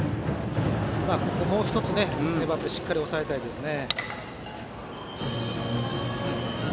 ここ、もう１つ粘ってしっかり抑えたいですね。